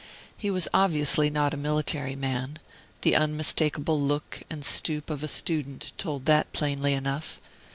He was obviously not a military man; the unmistakable look and stoop of a student told that plainly enough.